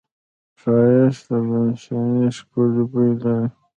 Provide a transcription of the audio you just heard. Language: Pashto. ښایست د بښنې ښکلی بوی لري